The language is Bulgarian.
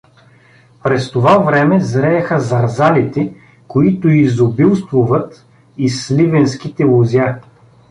През това време зрееха зарзалите, които изобилствуват из сливенските лозя.